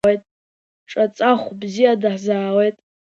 Ҿаҵахә бзиа даҳзаауеит!